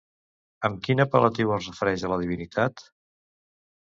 Amb quin apel·latiu es refereix a la divinitat?